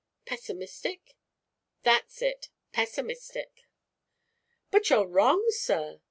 "Pessimistic?" "That's it pessimistic." "But you're wrong, sir!"